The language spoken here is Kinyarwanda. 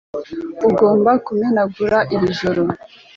ugomba Kumenagura iri joro